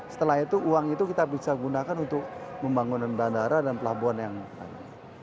setelah itu uang itu kita bisa gunakan untuk pembangunan bandara dan pelabuhan yang ada